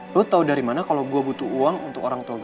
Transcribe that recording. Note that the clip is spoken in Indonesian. lo tau dari mana kalo gue butuh uang untuk orang tua gue